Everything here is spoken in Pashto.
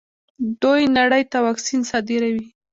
دوی نړۍ ته واکسین صادروي.